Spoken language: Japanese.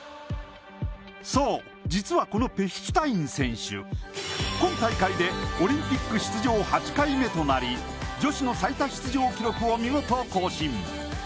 そう実はこのペヒシュタイン選手今大会でオリンピック出場８回目となり女子の最多出場記録を見事、更新。